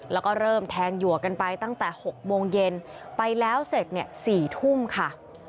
แล้วก็เริ่มแทงหยวกกันไปตั้งแต่๖โมงเย็น๗๐๐๙๐๐นค่ะ